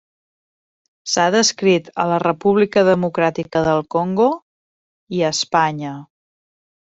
S’ha descrit a la República Democràtica del Congo i a Espanya.